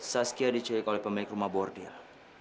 saskia diculik oleh pemilik rumah bordil